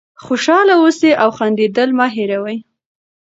خوشحاله اوسئ او خندېدل مه هېروئ.